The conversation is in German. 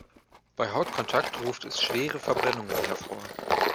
Bei Hautkontakt ruft es schwere Verbrennungen hervor.